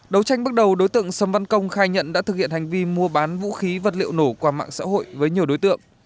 đấu tranh bước đầu đối tượng sâm văn công khai nhận đã thực hiện hành vi mua bán vũ khí vật liệu nổ qua mạng xã hội với nhiều đối tượng